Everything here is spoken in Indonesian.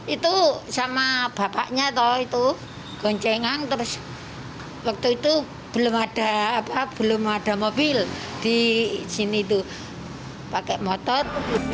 itu sama bapaknya tau itu goncengan terus waktu itu belum ada mobil di sini itu pakai motor